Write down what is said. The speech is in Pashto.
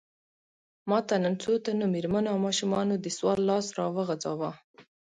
ماته نن څو تنو مېرمنو او ماشومانو د سوال لاس راوغځاوه.